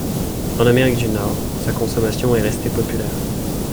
En Amérique du Nord, sa consommation est restée populaire.